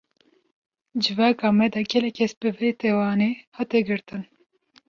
Civaka me de gelek kes, bi wê tawanê hatin girtin